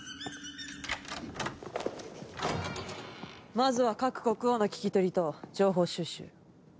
まずは各国王の聞き取りと情報収集。